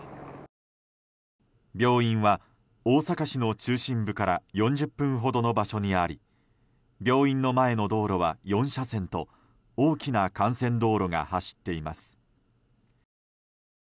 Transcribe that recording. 病院は、大阪市の中心部から４０分ほどの場所にあり病院の前の道路は４車線と大きな幹線道路が走っています。